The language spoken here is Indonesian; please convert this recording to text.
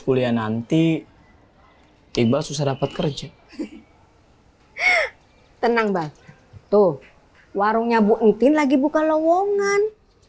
kuliah nanti iqbal susah dapat kerja tenang mbak tuh warungnya bu entin lagi buka lowongan